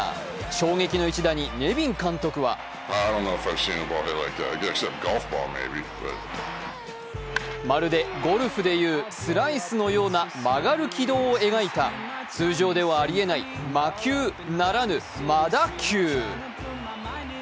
衝撃の一打にネビン監督はまるでゴルフでいうスライスのような曲がる軌道を描いた通常ではありえない魔球ならぬ魔打球。